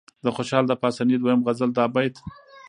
د خوشال د پاسني دويم غزل دا بيت